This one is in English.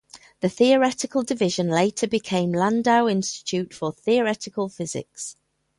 The theoretical division later became Landau Institute for Theoretical Physics.